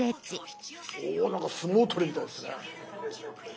おなんか相撲取りみたいですね。